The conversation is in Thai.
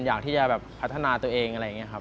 อยากที่จะพัฒนาตัวเอง